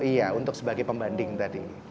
iya untuk sebagai pembanding tadi